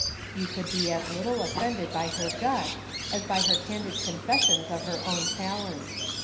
You could be as little offended by her gush, as by her candid confessions of her own talents.